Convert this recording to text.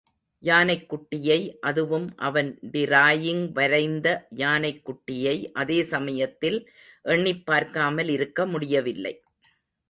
யானைக்குட்டியை அதுவும் அவன் டிராயிங் வரைந்த யானைக்குட்டியை அதே சமயத்தில் எண்ணிப்பார்க்காமல் இருக்க முடியவில்லை.